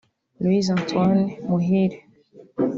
Louis Antoine Muhire